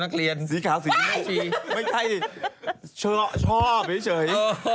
ชอบเนี้ยเฉย